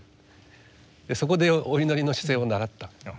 そこでお祈りの姿勢を習った。